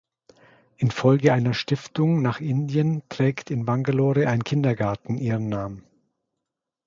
Infolge einer Stiftung nach Indien trägt in Bangalore ein Kindergarten ihren Namen.